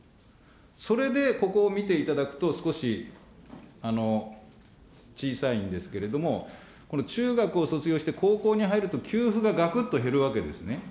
それでここを見ていただくと、少し小さいんですけれども、この中学を卒業して高校に入ると、給付ががくっと減るわけですね。